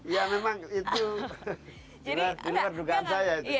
ya memang itu memang kedugaan saya